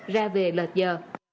ra về lợt giờ